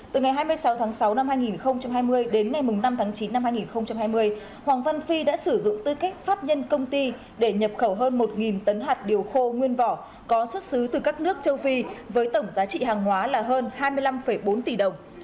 từ ngày hai mươi sáu tháng sáu năm hai nghìn hai mươi đến ngày năm tháng chín năm hai nghìn hai mươi hoàng văn phi đã sử dụng tư cách pháp nhân công ty để nhập khẩu hơn một tấn hạt điều khô nguyên vỏ có xuất xứ từ các nước châu phi với tổng giá trị hàng hóa là hơn hai mươi năm bốn tỷ đồng